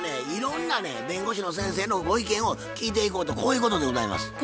いろんなね弁護士の先生のご意見を聞いていこうとこういうことでございます。